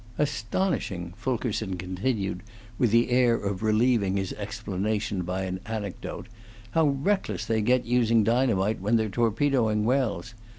Astonishing," Fulkerson continued, with the air of relieving his explanation by an anecdote, "how reckless they get using dynamite when they're torpedoing wells.